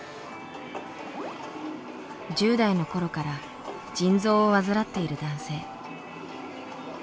１０代の頃から腎臓を患っている男性。